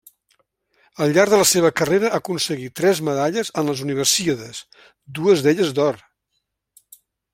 Al llarg de la seva carrera aconseguí tres medalles en les Universíades, dues d'elles d'or.